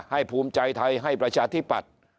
ภูมิใจไทยให้ประชาธิปัตย์